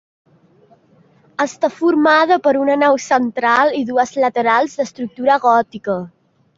Està formada per una nau central i dues laterals d'estructura gòtica.